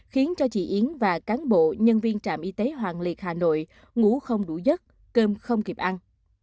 khiến cho chị yến và cán bộ nhân viên trạm y tế hoàng liệt hà nội ngủ không đủ giấc cơm không kịp ăn